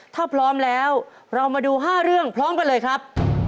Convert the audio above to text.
ถ้าพร้อมแล้วเรามาดู๕เรื่องพร้อมกันเลยครับ